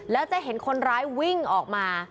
แล้วจะเห็นคนร้ายวิ่งออกมา